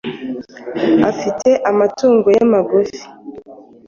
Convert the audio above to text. afite amatungo ye magufi